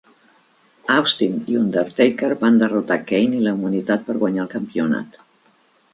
Austin i Undertaker van derrotar Kane i la humanitat per guanyar el campionat.